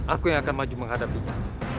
aku yang akan maju menghadapinya